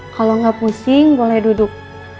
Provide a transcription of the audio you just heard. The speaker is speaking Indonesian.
kalau nggak pusing boleh duduk